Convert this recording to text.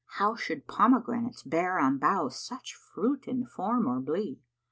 * How should pomegranates bear on bough such fruit in form or blee?